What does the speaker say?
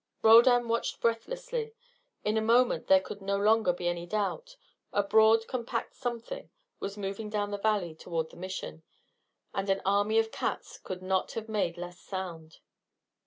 Roldan watched breathlessly. In a moment there could no longer be any doubt: a broad compact something was moving down the valley toward the Mission. And an army of cats could not have made less sound.